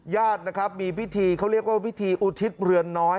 ญาตินะครับมีพิธีเขาเรียกว่าพิธีอุทิศเรือนน้อย